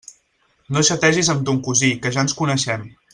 No xategis amb ton cosí, que ja ens coneixem!